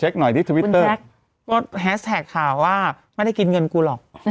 ก็แฮสแท็กข่าวว่าไม่ได้กินเงินกูหรอก